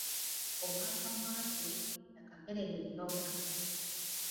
Ow’akamwa ke, y’akagerera ennoga.